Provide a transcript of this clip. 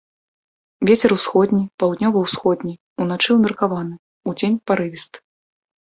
Вецер усходні, паўднёва-ўсходні, уначы ўмеркаваны, удзень парывісты.